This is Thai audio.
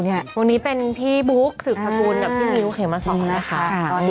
วันนี้เป็นพี่บุ๊กสืบสกุลกับพี่มิ้วเขมสอนนะคะ